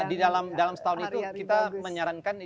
di dalam setahun itu kita menyarankan